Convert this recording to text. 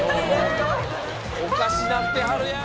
おかしくなってはるやん！